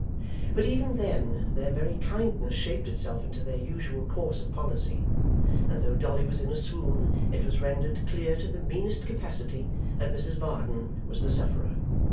But even then, their very kindness shaped itself into their usual course of policy, and though Dolly was in a swoon, it was rendered clear to the meanest capacity, that Mrs Varden was the sufferer.